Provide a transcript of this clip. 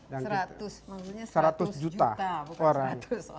seratus maksudnya seratus juta orang